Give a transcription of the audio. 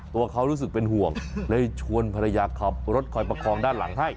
ตัวเขารู้สึกเป็นห่วงเลยชวนภรรยาขับรถคอยประคองด้านหลังให้